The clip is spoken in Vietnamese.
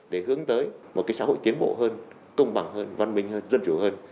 để hướng tới một xã hội tiến bộ hơn công bằng hơn văn minh hơn dân chủ hơn